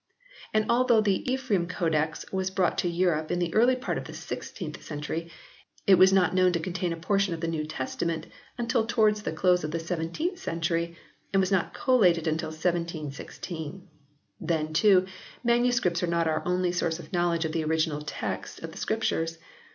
And although the Ephraem Codex was brought to Europe in the early part of the 16th century, it was not known to contain a portion of the New Testament until towards the close of the 17th century, and was not collated until 1716. Then, too, MSS. are not our only source of knowledge of the original text of the Scriptures.